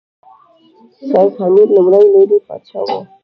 شېخ حمید لومړی لودي پاچا وو.